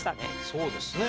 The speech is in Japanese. そうですね。